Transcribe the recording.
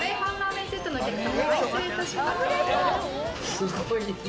すごいね。